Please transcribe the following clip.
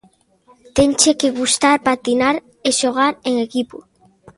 Tenche que gustar patinar e xogar en equipo.